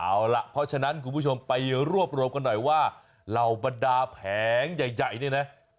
เอาล่ะเพราะฉะนั้นคุณผู้ชมไปรวบรวมกันหน่อยว่าเหล่าบรรดาแผงใหญ่เนี่ยนะ